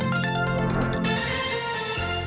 สวัสดีค่ะ